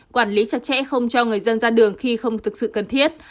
quản lý chặt chẽ không cho người dân ra đường khi không thực sự cần thiết